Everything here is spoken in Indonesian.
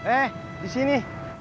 eh di sini